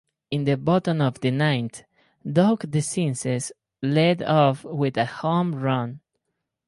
In the bottom of the ninth, Doug DeCinces led off with a home run.